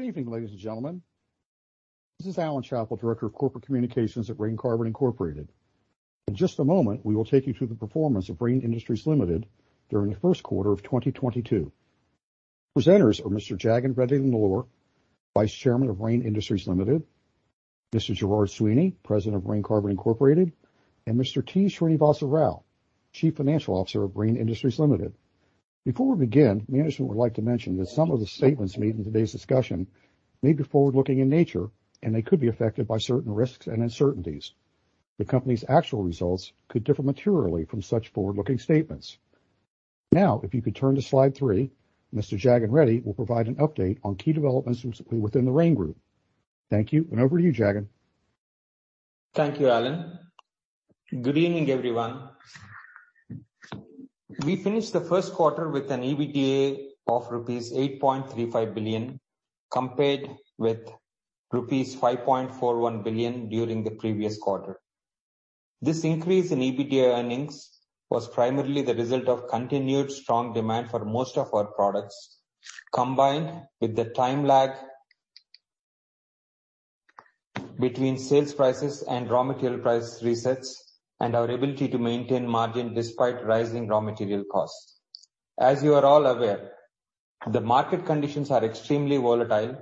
Good evening, ladies and gentlemen. This is Alan Chapple, Director of Corporate Communications at Rain Carbon Inc. In just a moment, we will take you through the performance of Rain Industries Limited during the Q1 of 2022. Presenters are Mr. Jagan Mohan Reddy Nellore, Vice Chairman of Rain Industries Limited, Mr. Gerard Sweeney, President of Rain Carbon Inc., and Mr. T. Srinivasa Rao, Chief Financial Officer of Rain Industries Limited. Before we begin, management would like to mention that some of the statements made in today's discussion may be forward-looking in nature, and they could be affected by certain risks and uncertainties. The company's actual results could differ materially from such forward-looking statements. Now, if you could turn to slide three, Mr. Jagan Mohan Reddy Nellore will provide an update on key developments recently within the Rain group. Thank you, and over to you, Jagan. Thank you, Alan. Good evening, everyone. We finished the Q1 with an EBITDA of rupees 8.35 billion, compared with rupees 5.41 billion during the previous quarter. This increase in EBITDA earnings was primarily the result of continued strong demand for most of our products, combined with the time lag between sales prices and raw material price resets, and our ability to maintain margin despite rising raw material costs. As you are all aware, the market conditions are extremely volatile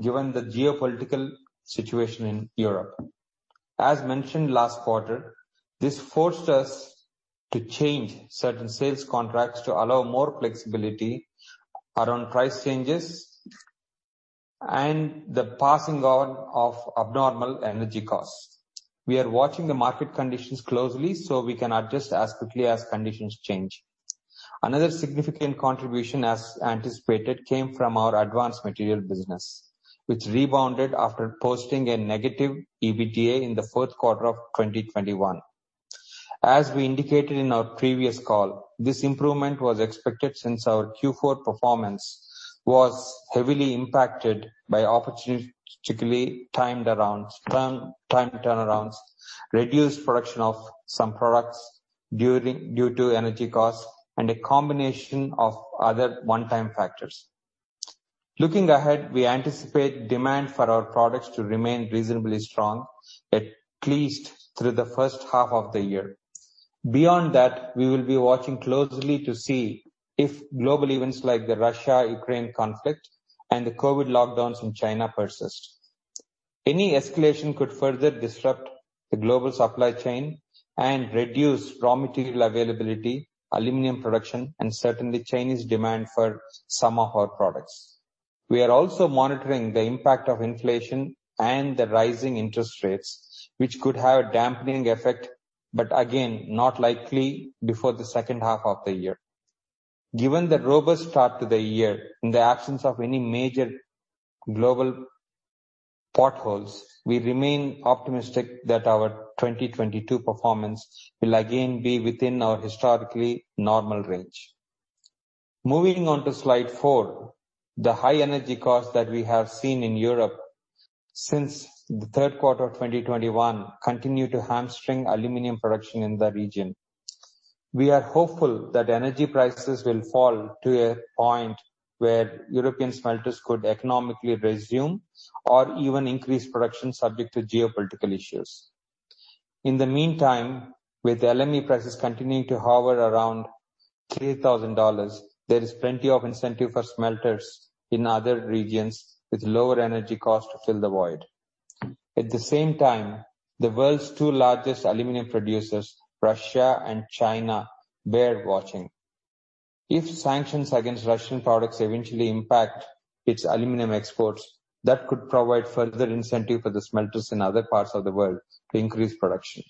given the geopolitical situation in Europe. As mentioned last quarter, this forced us to change certain sales contracts to allow more flexibility around price changes and the passing on of abnormal energy costs. We are watching the market conditions closely so we can adjust as quickly as conditions change. Another significant contribution, as anticipated, came from our advanced material business, which rebounded after posting a negative EBITDA in the Q4 of 2021. As we indicated in our previous call, this improvement was expected since our Q4 performance was heavily impacted by opportunistically timed turnarounds, reduced production of some products due to energy costs, and a combination of other one-time factors. Looking ahead, we anticipate demand for our products to remain reasonably strong, at least through the first half of the year. Beyond that, we will be watching closely to see if global events like the Russia-Ukraine conflict and the COVID lockdowns in China persist. Any escalation could further disrupt the global supply chain and reduce raw material availability, aluminum production, and certainly Chinese demand for some of our products. We are also monitoring the impact of inflation and the rising interest rates, which could have a dampening effect, but again, not likely before the second half of the year. Given the robust start to the year, in the absence of any major global potholes, we remain optimistic that our 2022 performance will again be within our historically normal range. Moving on to slide four. The high energy costs that we have seen in Europe since the Q3 of 2021 continue to hamstring aluminum production in the region. We are hopeful that energy prices will fall to a point where European smelters could economically resume or even increase production subject to geopolitical issues. In the meantime, with LME prices continuing to hover around $3,000, there is plenty of incentive for smelters in other regions with lower energy costs to fill the void. At the same time, the world's two largest aluminum producers, Russia and China, bear watching. If sanctions against Russian products eventually impact its aluminum exports, that could provide further incentive for the smelters in other parts of the world to increase production.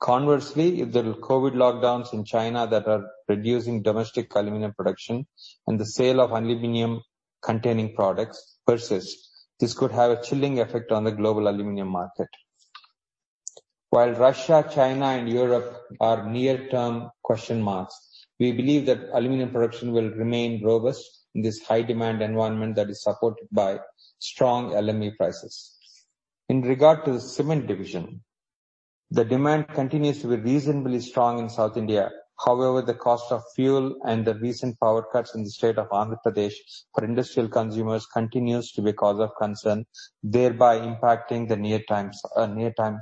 Conversely, if the COVID lockdowns in China that are reducing domestic aluminum production and the sale of aluminum-containing products persist, this could have a chilling effect on the global aluminum market. While Russia, China, and Europe are near-term question marks, we believe that aluminum production will remain robust in this high demand environment that is supported by strong LME prices. In regard to the cement division, the demand continues to be reasonably strong in South India. However, the cost of fuel and the recent power cuts in the state of Andhra Pradesh for industrial consumers continues to be a cause of concern, thereby impacting the near-term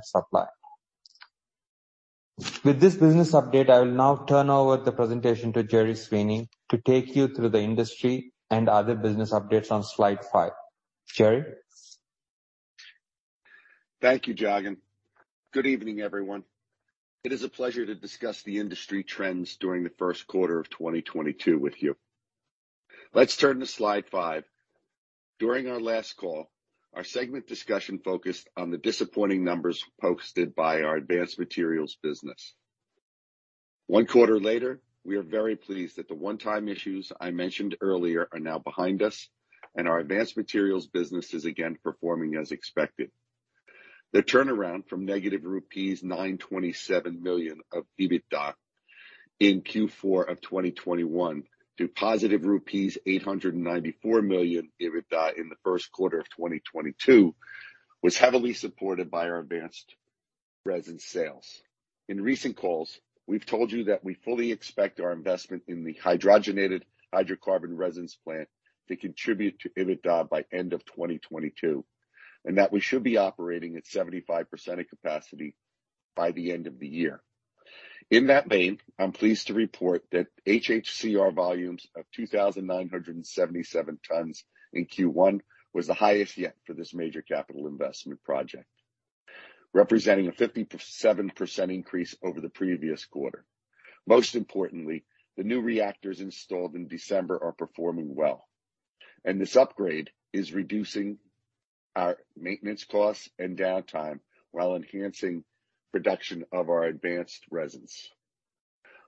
supply. With this business update, I will now turn over the presentation to Gerry Sweeney to take you through the industry and other business updates on slide five. Gerry? Thank you, Jagan. Good evening, everyone. It is a pleasure to discuss the industry trends during the Q1 of 2022 with you. Let's turn to slide five. During our last call, our segment discussion focused on the disappointing numbers posted by our advanced materials business. One quarter later, we are very pleased that the one-time issues I mentioned earlier are now behind us, and our advanced materials business is again performing as expected. The turnaround from -927 million rupees of EBITDA in Q4 of 2021 to +894 million rupees EBITDA in the Q1 of 2022 was heavily supported by our advanced resin sales. In recent calls, we've told you that we fully expect our investment in the hydrogenated hydrocarbon resins plant to contribute to EBITDA by end of 2022, and that we should be operating at 75% of capacity by the end of the year. In that vein, I'm pleased to report that HHCR volumes of 2,977 tons in Q1 was the highest yet for this major capital investment project, representing a 57% increase over the previous quarter. Most importantly, the new reactors installed in December are performing well, and this upgrade is reducing our maintenance costs and downtime while enhancing production of our advanced resins.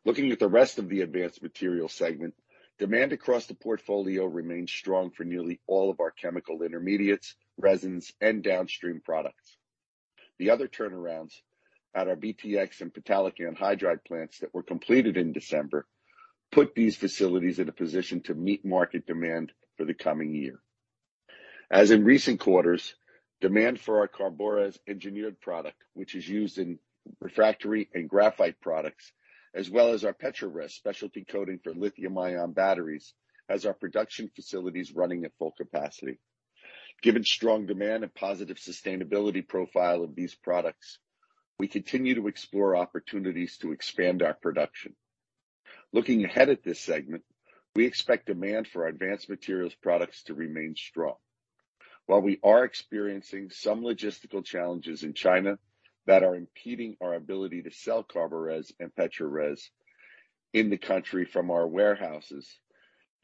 Looking at the rest of the advanced materials segment, demand across the portfolio remains strong for nearly all of our chemical intermediates, resins, and downstream products. The other turnarounds at our BTX and phthalic anhydride plants that were completed in December put these facilities in a position to meet market demand for the coming year. As in recent quarters, demand for our CARBORES engineered product, which is used in refractory and graphite products, as well as our PETRORES specialty coating for lithium-ion batteries, has our production facilities running at full capacity. Given strong demand and positive sustainability profile of these products, we continue to explore opportunities to expand our production. Looking ahead at this segment, we expect demand for our advanced materials products to remain strong. While we are experiencing some logistical challenges in China that are impeding our ability to sell CARBORES and PETRORES in the country from our warehouses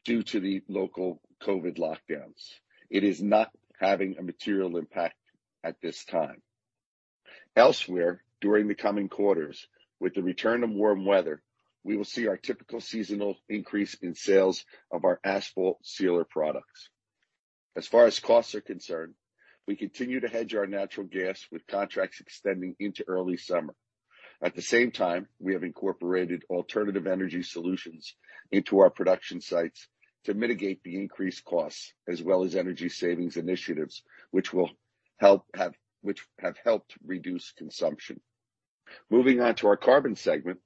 due to the local COVID lockdowns, it is not having a material impact at this time. Elsewhere, during the coming quarters, with the return of warm weather, we will see our typical seasonal increase in sales of our asphalt sealer products. As far as costs are concerned, we continue to hedge our natural gas with contracts extending into early summer. At the same time, we have incorporated alternative energy solutions into our production sites to mitigate the increased costs as well as energy savings initiatives, which have helped reduce consumption. Moving on to our carbon segment,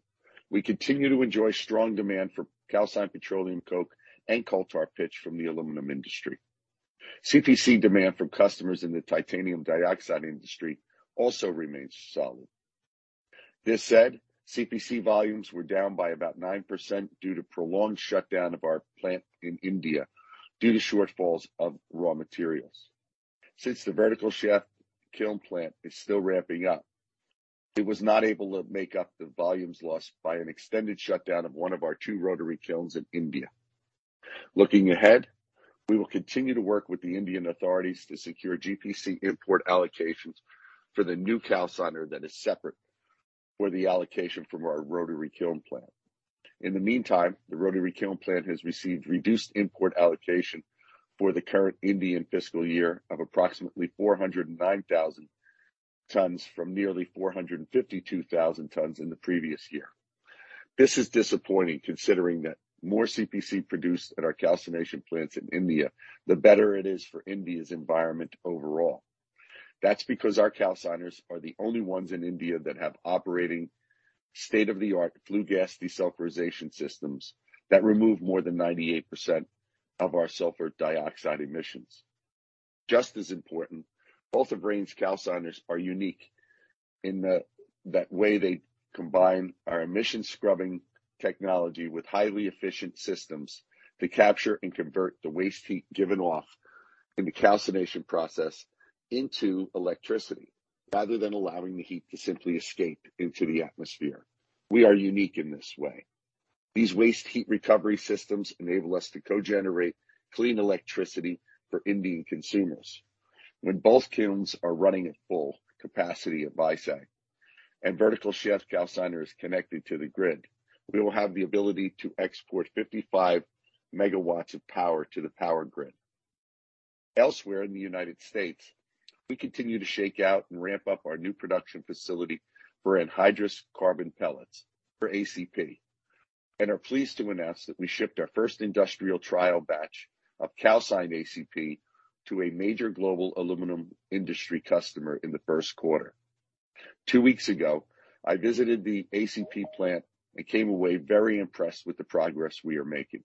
we continue to enjoy strong demand for calcined petroleum coke and coal-tar pitch from the aluminum industry. CPC demand from customers in the titanium dioxide industry also remains solid. This said, CPC volumes were down by about 9% due to prolonged shutdown of our plant in India due to shortfalls of raw materials. Since the vertical shaft kiln plant is still ramping up, it was not able to make up the volumes lost by an extended shutdown of one of our two rotary kilns in India. Looking ahead, we will continue to work with the Indian authorities to secure GPC import allocations for the new calciner that is separate from the allocation from our rotary kiln plant. In the meantime, the rotary kiln plant has received reduced import allocation for the current Indian fiscal year of approximately 409,000 tons from nearly 452,000 tons in the previous year. This is disappointing considering that more CPC produced at our calcination plants in India, the better it is for India's environment overall. That's because our calciners are the only ones in India that have operating state-of-the-art flue gas desulfurization systems that remove more than 98% of our sulfur dioxide emissions. Just as important, both of Rain's calciners are unique in that way they combine our emission scrubbing technology with highly efficient systems to capture and convert the waste heat given off in the calcination process into electricity, rather than allowing the heat to simply escape into the atmosphere. We are unique in this way. These waste heat recovery systems enable us to co-generate clean electricity for Indian consumers. When both kilns are running at full capacity at Visakhapatnam, and vertical shaft calciner is connected to the grid, we will have the ability to export 55 MW of power to the power grid. Elsewhere in the United States, we continue to shake out and ramp up our new production facility for anhydrous carbon pellets for ACP, and are pleased to announce that we shipped our first industrial trial batch of calcined ACP to a major global aluminum industry customer in the first quarter. Two weeks ago, I visited the ACP plant and came away very impressed with the progress we are making.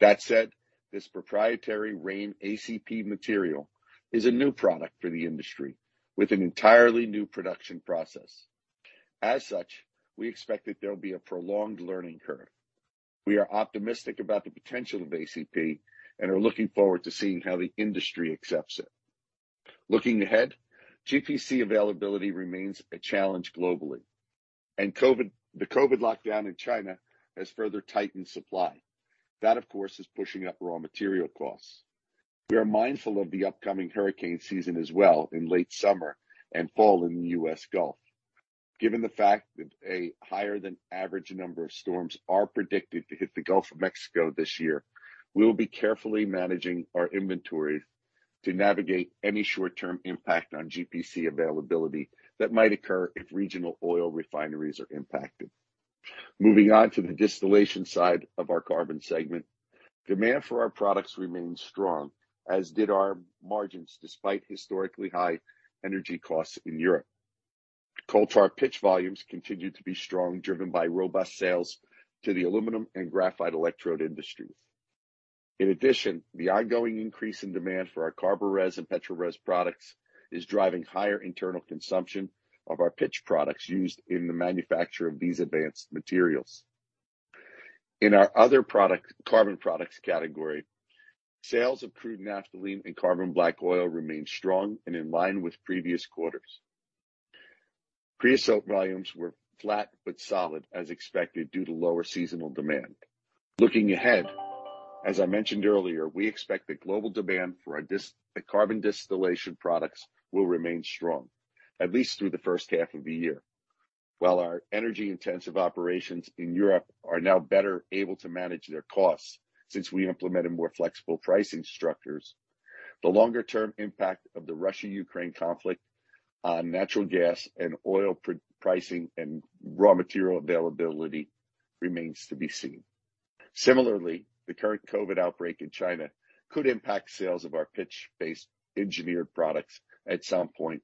That said, this proprietary Rain ACP material is a new product for the industry with an entirely new production process. As such, we expect that there will be a prolonged learning curve. We are optimistic about the potential of ACP and are looking forward to seeing how the industry accepts it. Looking ahead, GPC availability remains a challenge globally, and the COVID lockdown in China has further tightened supply. That, of course, is pushing up raw material costs. We are mindful of the upcoming hurricane season as well in late summer and fall in the U.S. Gulf. Given the fact that a higher than average number of storms are predicted to hit the Gulf of Mexico this year, we will be carefully managing our inventory to navigate any short-term impact on GPC availability that might occur if regional oil refineries are impacted. Moving on to the distillation side of our carbon segment. Demand for our products remains strong, as did our margins, despite historically high energy costs in Europe. Coal tar pitch volumes continued to be strong, driven by robust sales to the aluminum and graphite electrode industry. In addition, the ongoing increase in demand for our CARBORES and PETRORES products is driving higher internal consumption of our pitch products used in the manufacture of these advanced materials. In our other product, carbon products category, sales of crude naphthalene and carbon black oil remained strong and in line with previous quarters. Creosote volumes were flat but solid as expected due to lower seasonal demand. Looking ahead, as I mentioned earlier, we expect the global demand for our carbon distillation products will remain strong at least through the first half of the year. While our energy intensive operations in Europe are now better able to manage their costs since we implemented more flexible pricing structures. The longer term impact of the Russia-Ukraine conflict on natural gas and oil pricing and raw material availability remains to be seen. Similarly, the current COVID outbreak in China could impact sales of our pitch-based engineered products at some point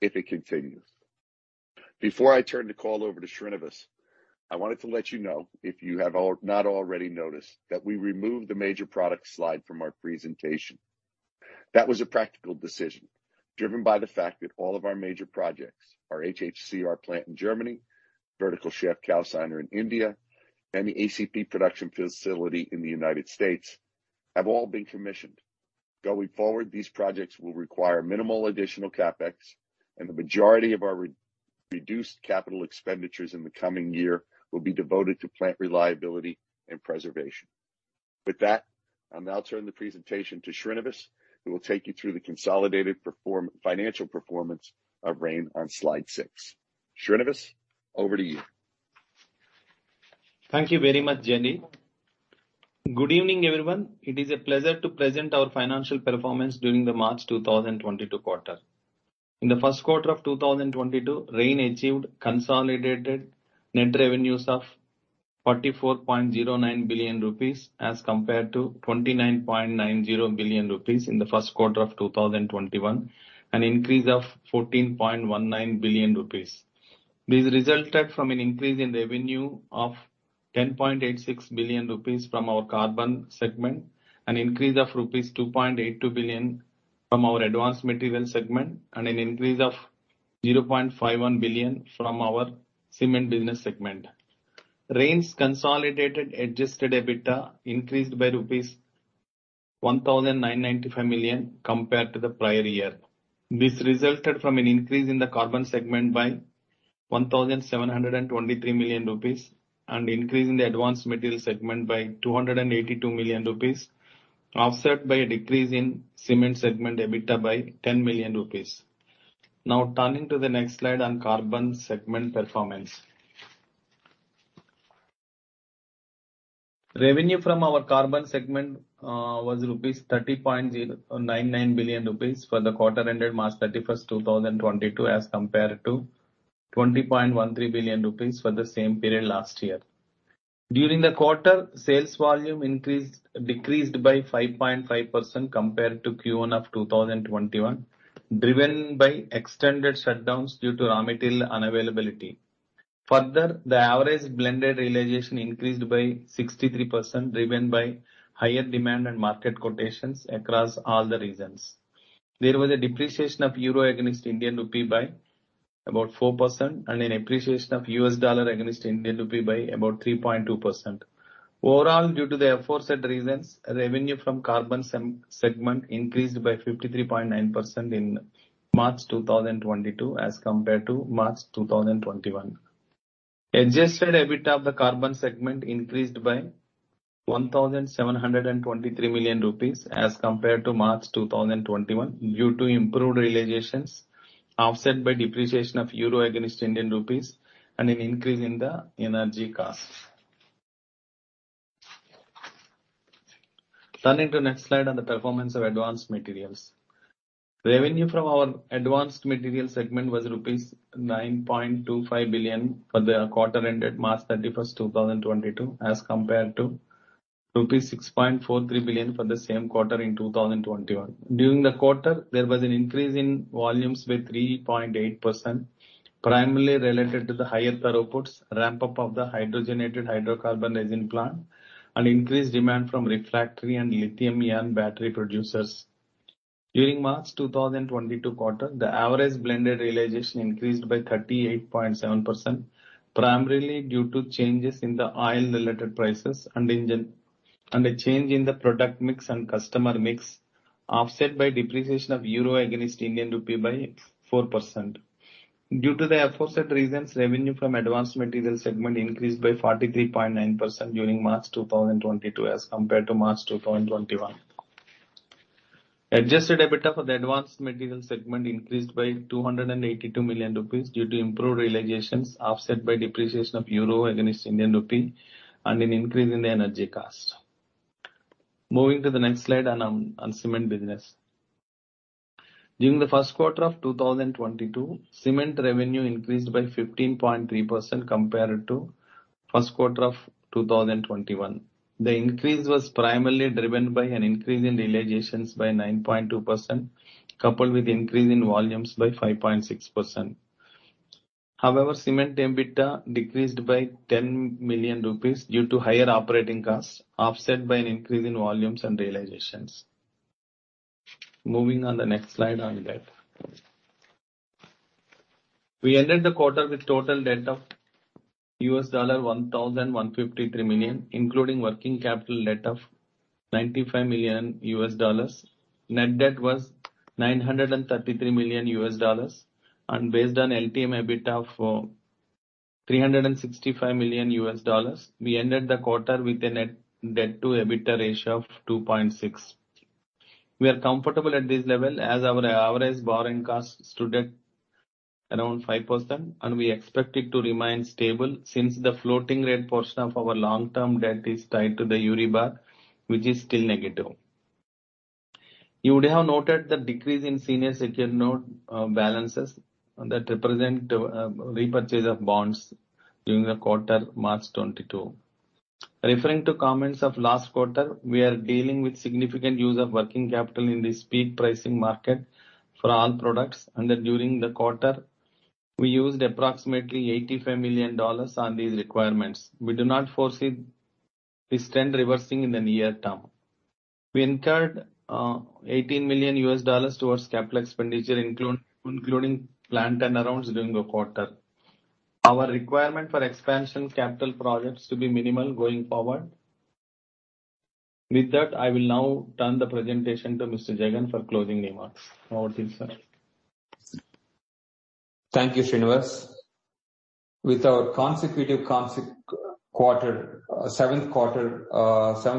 if it continues. Before I turn the call over to Srinivasa, I wanted to let you know if you have already noticed that we removed the major projects slide from our presentation. That was a practical decision driven by the fact that all of our major projects, our HHCR plant in Germany, vertical shaft calciner in India, and the ACP production facility in the United States, have all been commissioned. Going forward, these projects will require minimal additional CapEx, and the majority of our re-reduced capital expenditures in the coming year will be devoted to plant reliability and preservation. With that, I'll now turn the presentation to Srinivasa, who will take you through the consolidated financial performance of Rain on slide six. Srinivasa, over to you. Thank you very much, Gerry. Good evening, everyone. It is a pleasure to present our financial performance during the March 2022 quarter. In the Q1 of 2022, Rain achieved consolidated net revenues of 44.09 billion rupees as compared to 29.90 billion rupees in the Q1 of 2021, an increase of 14.19 billion rupees. These resulted from an increase in revenue of 10.86 billion rupees from our carbon segment, an increase of rupees 2.82 billion from our advanced materials segment, and an increase of 0.51 billion from our cement business segment. Rain's consolidated adjusted EBITDA increased by rupees 1,095 million compared to the prior year. This resulted from an increase in the carbon segment by 1,723 million rupees and increase in the advanced materials segment by 282 million rupees, offset by a decrease in cement segment EBITDA by 10 million rupees. Now turning to the next slide on carbon segment performance. Revenue from our carbon segment was 30.99 billion rupees for the quarter ended 31 March 2022, as compared to 20.13 billion rupees for the same period last year. During the quarter, sales volume decreased by 5.5% compared to Q1 of 2021, driven by extended shutdowns due to raw material unavailability. Further, the average blended realization increased by 63%, driven by higher demand and market quotations across all the regions. There was a depreciation of euro against Indian rupee by about 4% and an appreciation of U.S. dollar against Indian rupee by about 3.2%. Overall, due to the aforesaid reasons, revenue from carbon segment increased by 53.9% in March 2022 as compared to March 2021. Adjusted EBITDA of the carbon segment increased by 1,723 million rupees as compared to March 2021 due to improved realizations, offset by depreciation of euro against Indian rupees and an increase in the energy costs. Turning to the next slide on the performance of advanced materials. Revenue from our advanced materials segment was rupees 9.25 billion for the quarter ended 31 March 2022, as compared to rupees 6.43 billion for the same quarter in 2021. During the quarter, there was an increase in volumes by 3.8%, primarily related to the higher throughputs, ramp-up of the hydrogenated hydrocarbon resin plant, and increased demand from refractory and lithium-ion battery producers. During March 2022 quarter, the average blended realization increased by 38.7%, primarily due to changes in the oil-related prices and a change in the product mix and customer mix, offset by depreciation of euro against Indian rupee by 4%. Due to the aforesaid reasons, revenue from advanced materials segment increased by 43.9% during March 2022 as compared to March 2021. Adjusted EBITDA for the advanced materials segment increased by 282 million rupees due to improved realizations, offset by depreciation of euro against Indian rupee and an increase in the energy cost. Moving to the next slide on cement business. During the Q1 of 2022, cement revenue increased by 15.3% compared to Q1 of 2021. The increase was primarily driven by an increase in realizations by 9.2%, coupled with increase in volumes by 5.6%. However, cement EBITDA decreased by 10 million rupees due to higher operating costs, offset by an increase in volumes and realizations. Moving on the next slide on debt. We ended the quarter with total debt of $1,153 million, including working capital debt of $95 million. Net debt was $933 million. Based on LTM EBITDA of $365 million, we ended the quarter with a net debt to EBITDA ratio of 2.6x. We are comfortable at this level as our average borrowing costs stood at around 5%, and we expect it to remain stable since the floating rate portion of our long-term debt is tied to the Euribor, which is still negative. You would have noted the decrease in senior secured note balances that represent repurchase of bonds during the quarter March 2022. Referring to comments of last quarter, we are dealing with significant use of working capital in this spot pricing market for all products, and that during the quarter we used approximately $85 million on these requirements. We do not foresee this trend reversing in the near term. We incurred $18 million towards capital expenditure including plant and turnarounds during the quarter. Our requirement for expansion capital projects to be minimal going forward. With that, I will now turn the presentation to Mr. Jagan for closing remarks. Over to you, sir. Thank you, Srinivas. With our seventh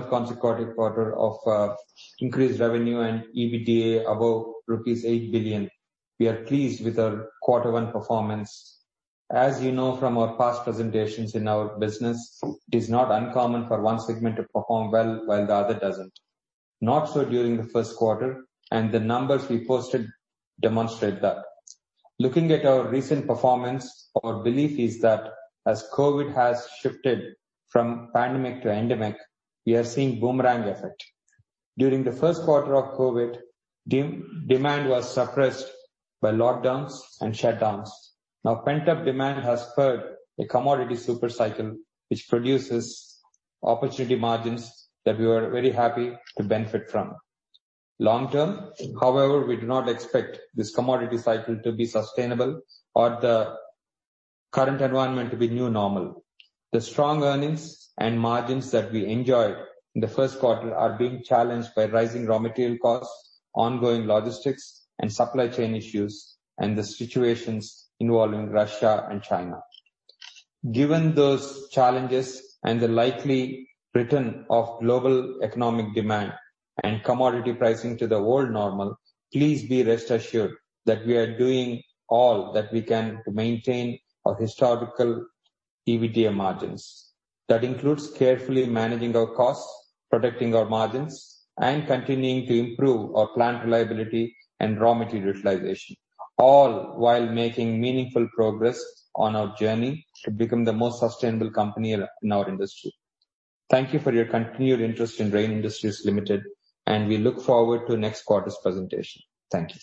consecutive quarter of increased revenue and EBITDA above rupees 8 billion, we are pleased with our quarter one performance. As you know from our past presentations in our business, it is not uncommon for one segment to perform well while the other doesn't. Not so during the Q1 and the numbers we posted demonstrate that. Looking at our recent performance, our belief is that as COVID has shifted from pandemic to endemic, we are seeing boomerang effect. During the Q1 of COVID, demand was suppressed by lockdowns and shutdowns. Now, pent-up demand has spurred a commodity super cycle, which produces opportunity margins that we are very happy to benefit from. Long term, however, we do not expect this commodity cycle to be sustainable or the current environment to be new normal. The strong earnings and margins that we enjoyed in the Q1 are being challenged by rising raw material costs, ongoing logistics and supply chain issues, and the situations involving Russia and China. Given those challenges and the likely return of global economic demand and commodity pricing to the old normal, please be rest assured that we are doing all that we can to maintain our historical EBITDA margins. That includes carefully managing our costs, protecting our margins, and continuing to improve our plant reliability and raw material utilization, all while making meaningful progress on our journey to become the most sustainable company in our industry. Thank you for your continued interest in Rain Industries Limited, and we look forward to next quarter's presentation. Thank you.